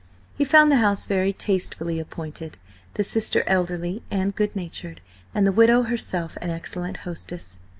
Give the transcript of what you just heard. He found the house very tastefully appointed, the sister elderly and good natured, and the widow herself an excellent hostess.